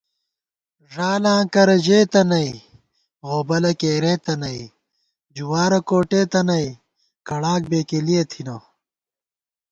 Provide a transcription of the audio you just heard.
ݫالاں کرہ ژېتہ نئ غوبلَہ کېرېتہ نئ جوارَہ کوٹېتہ نئ کڑاک بېکېلِیَہ تھنہ